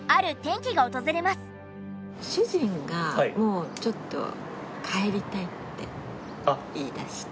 主人がもうちょっと「帰りたい」って言い出して。